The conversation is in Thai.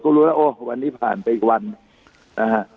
ก็รู้ว่าโอ้วว่านี้ผ่านไปอีกวันอ่าฮะ